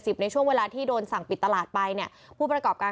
ในช่วงเวลาที่โดนสั่งปิดตลาดไปเนี่ยผู้ประกอบการ